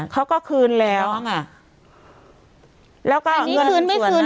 เขาก็คืนแล้วไงแล้วก็อันนี้คืนไม่คืน